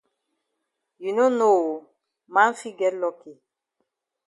You no know oo man fit get lucky.